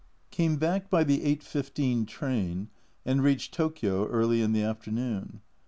Came back by the 8.15 train and reached Tokio early in the afternoon.